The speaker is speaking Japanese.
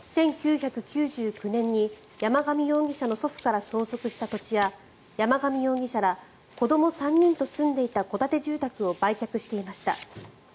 １９９９年に山上容疑者の祖父から相続した土地や山上容疑者ら子ども３人と住んでいた戸建て住宅を売却していました。